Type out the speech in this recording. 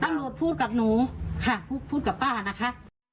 ตำรวจพูดกับหนูพูดกับป้านะคะ